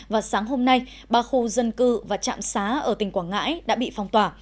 và sáng hôm nay ba khu dân cư và trạm xá ở tỉnh quảng ngãi đã bị phong tỏa